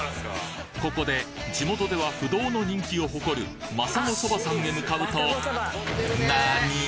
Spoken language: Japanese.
ここで地元では不動の人気を誇るまさごそばさんへ向かうと何！？